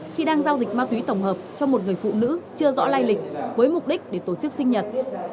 khi đang giao dịch ma túy tổng hợp cho một người phụ nữ chưa rõ lai lịch với mục đích để tổ chức sinh nhật